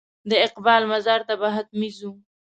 د اقبال مزار ته به حتمي ځو.